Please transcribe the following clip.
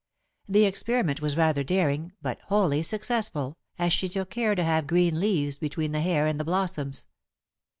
The experiment was rather daring, but wholly successful, as she took care to have green leaves between her hair and the blossoms.